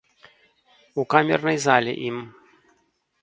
У камернай зале ім.